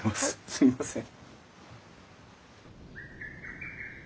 すいません。